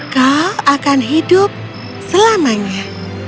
kau akan hidup selamanya